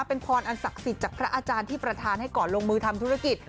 เป็นพรอันศักดิ์สิทธิ์จากพระอาจารย์ที่ประธานให้ก่อนลงมือทำธุรกิจ